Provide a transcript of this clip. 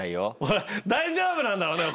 大丈夫なんだろうな。